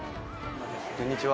こんにちは。